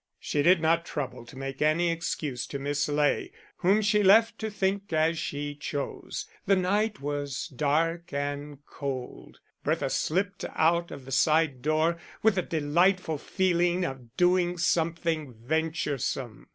She did not trouble to make any excuse to Miss Ley, whom she left to think as she chose. The night was dark and cold; Bertha slipped out of the side door with a delightful feeling of doing something venturesome.